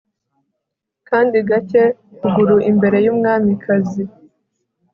Kandi gake ukuguru imbere yumwamikazi